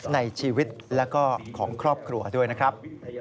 ในชีวิตและก็ของครอบครัวด้วยนะครับ